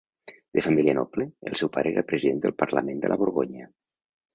De família noble, el seu pare era president del parlament de la Borgonya.